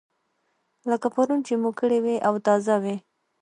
لکه پرون چې مو کړې وي او تازه وي.